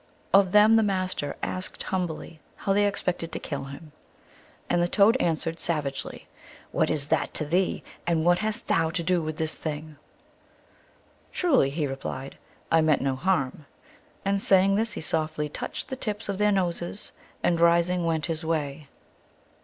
Of them the Master asked humbly how they expected to kill him. And the Toad answered sav agely, " What is that to thee, and what hast thou to do with this thing ?"" Truly," he replied, " I meant no harm," and saying this he softly touched the tips of their noses, and rising went his way.